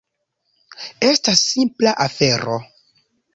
Estas simpla afero.